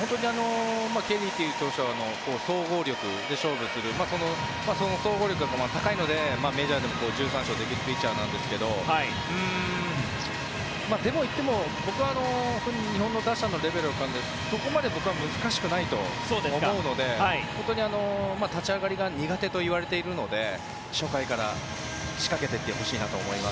ケリーという投手は総合力で勝負するその総合力が高いのでメジャーでも１３勝できるピッチャーなんですけどでも言っても僕は日本の打者のレベルを考えるとそこまで僕は難しくないと思うので立ち上がりが苦手といわれているので初回から仕掛けていってほしいなと思います。